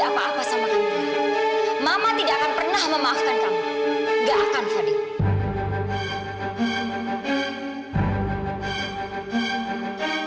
apa apa sama kamu mama tidak akan pernah memaafkan kamu gak akan hadir